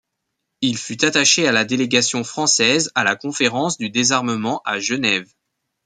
Il fut attaché à la délégation française à la Conférence du désarmement à Genève.